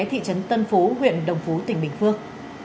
thị trấn tân phú huyện đồng phú tỉnh bình phước